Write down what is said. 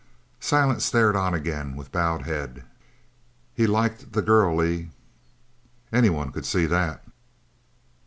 Silent stared on again with bowed head. "He liked the girl, Lee?" "Any one could see that."